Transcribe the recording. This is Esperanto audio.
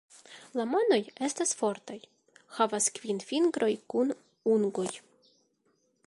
La manoj estas fortaj, havas kvin fingrojn kun ungoj.